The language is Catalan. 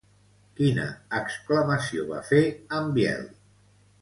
Quina exclamació va fer en Biel?